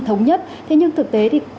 thống nhất thế nhưng thực tế thì